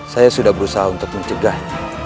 saya sudah berusaha untuk mencegah